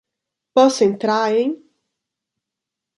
Posso entrar em?